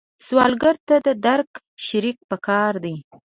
سوالګر ته د درد شریک پکار دی